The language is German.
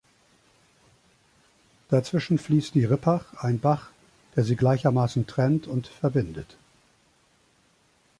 Dazwischen fließt die Rippach, ein Bach, der sie gleichermaßen trennt und verbindet.